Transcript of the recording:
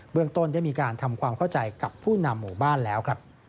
เมืองต้นได้มีการทำความเข้าใจกับผู้นำหมู่บ้านแล้ว